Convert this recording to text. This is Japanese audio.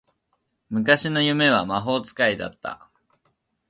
昔の夢は魔法使いだった